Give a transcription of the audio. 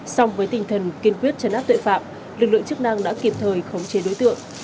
xong với tinh thần kiên quyết chấn áp tuệ phạm lực lượng chức năng đã kịp thời khống chế đối tượng